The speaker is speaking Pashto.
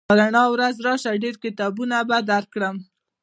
په رڼا ورځ راشه ډېر کتابونه به درکړم